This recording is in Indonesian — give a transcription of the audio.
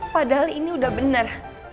padahal ini udah bener